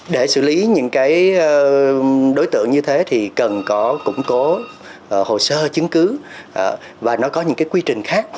để xử lý những đối tượng như thế thì cần có củng cố hồ sơ chứng cứ và nó có những quy trình khác